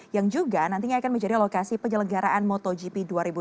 yang juga nantinya akan menjadi lokasi penyelenggaraan motogp dua ribu dua puluh